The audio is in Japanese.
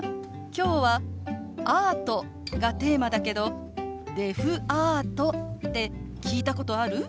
今日は「アート」がテーマだけど「デフアート」って聞いたことある？